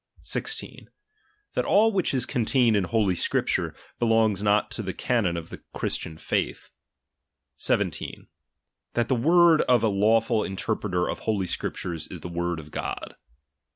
16. That all which is contained in Holy Scripture, belongs not to the canon of Christian faith. 17. That the word of a lawful interpreter of Holy Scriptures, is the word of GoU.